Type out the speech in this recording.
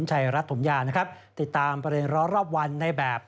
ชัยรัฐถมยานะครับติดตามประเด็นร้อนรอบวันในแบบ